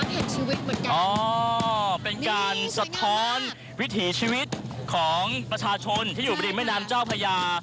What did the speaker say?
เพียงชีวิตของประชาชนที่อยู่ประดิษฐิ์เมยนำเจ้าพญา